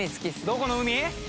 どこの海？